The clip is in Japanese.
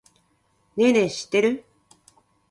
ねぇねぇ、知ってる？